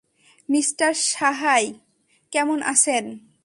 Mister Sahay, কেমন আছেন?